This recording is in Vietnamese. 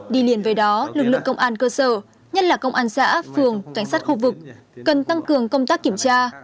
đi liền với đó lực lượng công an cơ sở nhất là công an xã phường cảnh sát khu vực cần tăng cường công tác kiểm tra